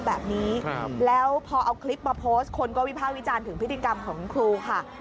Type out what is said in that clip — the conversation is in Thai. แบบนี้แล้วพอเอาคลิปมาโพสต์คนก็วิภาควิจารณ์ถึงพฤติกรรมของครูค่ะ